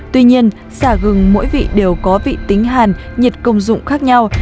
tuy nhiên xả gừng mỗi vị đều có vị tính hàn nhiệt công dụng khác nhau